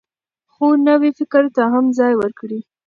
خو نوي فکر ته هم ځای ورکړئ.